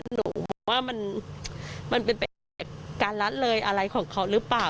หนูว่ามันเป็นเป็นเป็นการรัดเลยอะไรของเขาหรือเปล่า